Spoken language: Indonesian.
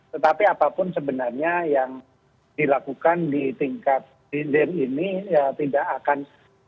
tetapi apapun sebenarnya yang dilakukan di tingkat ynd ini ya tidak akan